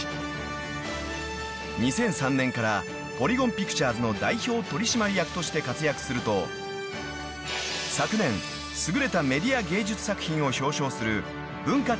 ［２００３年からポリゴン・ピクチュアズの代表取締役として活躍すると昨年優れたメディア芸術作品を表彰する］